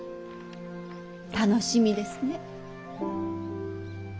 楽しみですね。